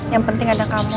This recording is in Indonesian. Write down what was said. yang penting ada kamu